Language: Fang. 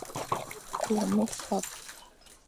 Kur mefap.